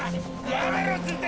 やめろっつって